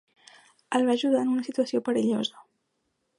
El va ajudar en una situació perillosa.